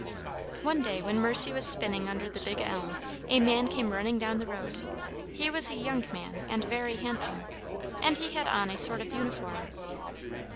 "One day when Mercy was spinning under the big elm, a man came running down the road. He was a young man, and very handsome, and he had on a sort of uniform.